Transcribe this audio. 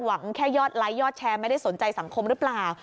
แค่ยอดไลค์ยอดแชร์ไม่ได้สนใจสังคมหรือเปล่า